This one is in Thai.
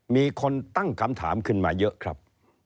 มีคนตั้งคำถามขึ้นมาเยอะครับ